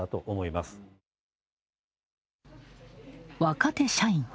若手社員は。